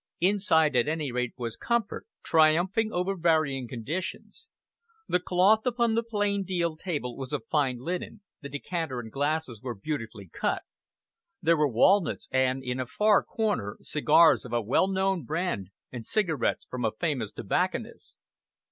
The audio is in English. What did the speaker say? Inside at any rate was comfort, triumphing over varying conditions. The cloth upon the plain deal table was of fine linen, the decanter and glasses were beautifully cut; there were walnuts and, in a far corner, cigars of a well known brand and cigarettes from a famous tobacconist.